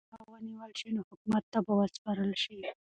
که غله ونیول شي نو حکومت ته به وسپارل شي.